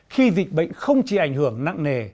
khi dịch bệnh không chỉ ảnh hưởng nặng nề